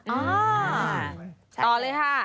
อ่าต่อเลยค่ะ